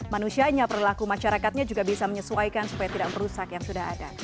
manusianya perilaku masyarakatnya juga bisa menyesuaikan supaya tidak merusak yang sudah ada